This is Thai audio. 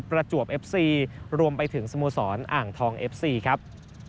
ประจวบเอฟซีรวมไปถึงสโมสรอ่างทองเอฟซีครับ